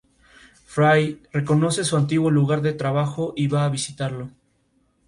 Y, para variar, poco a poco van sacando procesadores con más núcleos.